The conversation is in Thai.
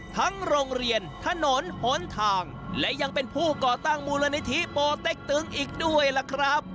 โรงเรียนถนนหนทางและยังเป็นผู้ก่อตั้งมูลนิธิปอเต็กตึงอีกด้วยล่ะครับ